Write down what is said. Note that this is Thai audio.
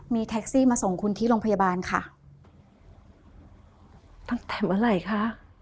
มีแท็กซี่มาส่งคุณที่โรงพยาบาลค่ะตั้งแต่เมื่อไหร่คะ